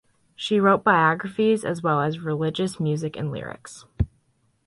She wrote biographies as well as religious music and lyrics.